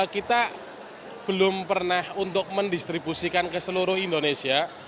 kita belum pernah untuk mendistribusikan ke seluruh indonesia